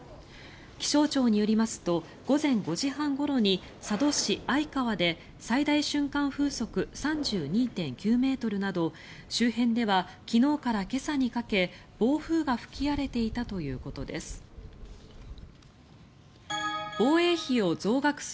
気象庁によりますと午前５時半ごろに佐渡市相川で最大瞬間風速３２．９ｍなど周辺では昨日から今朝にかけ暴風が吹き荒れていたということです。